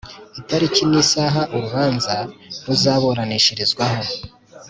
itariki n’isaha urubanza ruzaburanishirizwaho